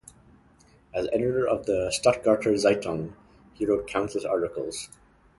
As editor of the "Stuttgarter Zeitung" he wrote countless articles.